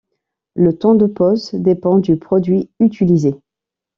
Le temps de pose dépend du produit utilisé.